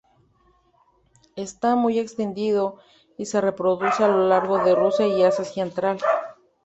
Está muy extendido y se reproduce a lo largo de Rusia y Asia central.